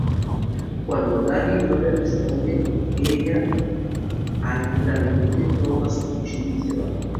Cuando Daryl no le responde, ella airadamente toma su cuchillo y se va.